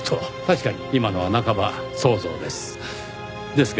確かに今のは半ば想像です。